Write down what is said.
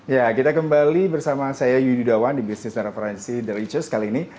ya kita kembali bersama saya yudi dawan di bisnis referensi the rechurs kali ini